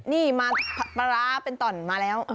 นี่มาปลาร้าเป็นต่อนมาแล้ว